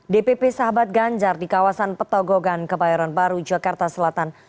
dpp sahabat ganjar di kawasan petogogan kebayoran baru jakarta selatan